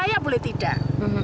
saya boleh tidak